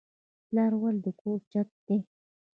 پلار ولې د کور چت دی؟